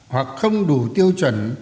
hoặc không đủ tiêu chuẩn